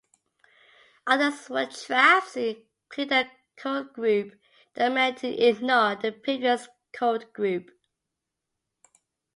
Others were traps, including a codegroup that meant to ignore the previous codegroup.